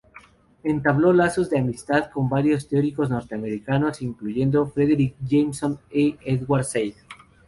Entabló lazos de amistad con varios teóricos norteamericanos, incluyendo Fredric Jameson y Edward Said.